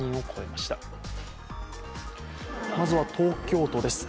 まずは東京都です。